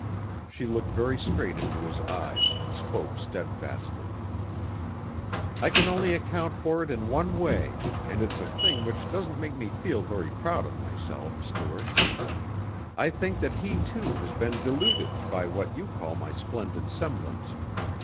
She looked very straight into his eyes and spoke steadfastly. "I can only account for it in one way and it's a thing which doesn't make me feel very proud of myself, Stuart. I think that he, too, has been deluded by what you call my splendid semblance.